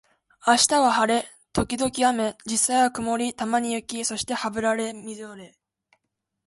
明日は晴れ、時々雨、実際は曇り、たまに雪、そしてハブられるみぞれ